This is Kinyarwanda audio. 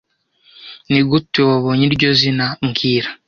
Nigute wabonye iryo zina mbwira